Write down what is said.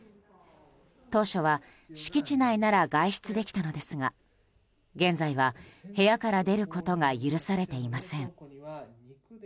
当初は敷地内なら外出できたのですが現在は部屋から出ることが許されていません。